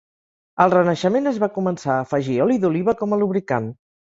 Al renaixement es va començar a afegir oli d'oliva com a lubricant.